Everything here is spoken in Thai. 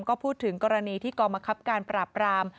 ก็พูดถึงกรณีที่กรมคับการปราบราม